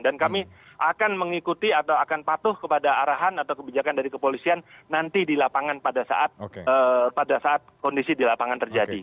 dan kami akan mengikuti atau akan patuh kepada arahan atau kebijakan dari kepolisian nanti di lapangan pada saat kondisi di lapangan terjadi